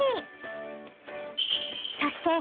［そして］え！